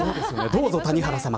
どうぞ谷原さま